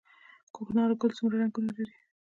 کوکنارو ګل څومره رنګونه لري؟